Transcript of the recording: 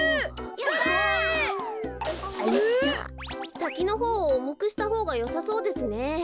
さきのほうをおもくしたほうがよさそうですね。